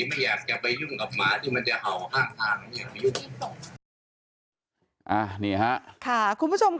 เพราะทนายอันนันชายชายเดชาบอกว่าจะเป็นการเอาคืนยังไง